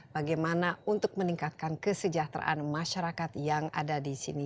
bagaimana untuk meningkatkan kesejahteraan masyarakat yang ada di sini